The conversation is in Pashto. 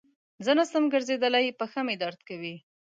زه نسم ګرځیدلای پښه مي درد کوی.